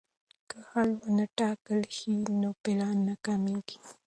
که حل ونه ټاکل شي نو پلان ناکامېږي.